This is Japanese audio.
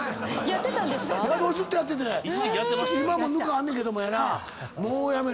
今もぬかあんねんけどもやなもうやめる。